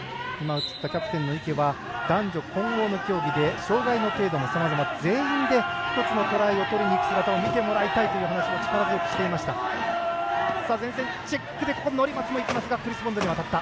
キャプテンの池は男女混合の競技で障がいの程度もさまざまなので全員で１つのトライをとりにいく姿を見てもらいたいという話も力強くしていました。